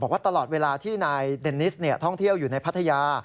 ว่าตลอดเวลาที่นายเดนิสท่องเที่ยวอยู่ในพัทยา